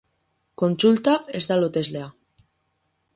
Kontsulta ez da loteslea.